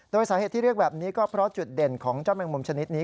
โดยสาเหตุที่เรียกแบบนี้ก็เพราะจุดเด่นของเจ้าแมงมุมชนิดนี้